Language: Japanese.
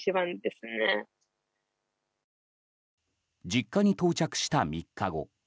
実家に到着した３日後